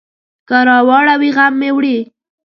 که راواړوي، غم مې وړي.